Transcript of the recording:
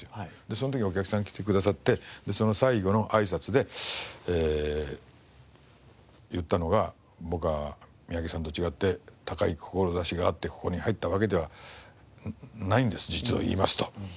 その時にお客さん来てくださってその最後のあいさつでえ言ったのが僕は三宅さんと違って高い志があってここに入ったわけではないんです実を言いますと。